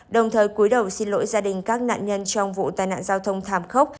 đồng thời cuối đầu xin lỗi gia đình các nạn nhân trong vụ tai nạn giao thông thảm khốc